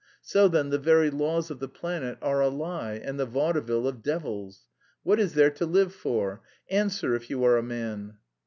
So then, the very laws of the planet are a lie and the vaudeville of devils. What is there to live for? Answer, if you are a man."